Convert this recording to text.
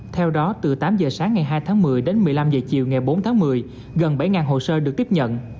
theo đó từ tám giờ sáng ngày hai tháng một mươi đến một mươi năm h chiều ngày bốn tháng một mươi gần bảy hồ sơ được tiếp nhận